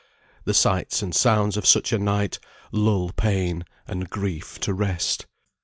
The sights and sounds of such a night lull pain and grief to rest.